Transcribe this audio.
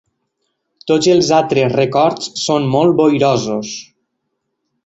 Tots els altres records són molt boirosos.